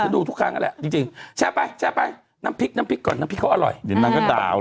ดูทุกขันระเรอจริงแพ้เว้นน้ำพริกน้ำพริกกับพี่อร่อยน้ำ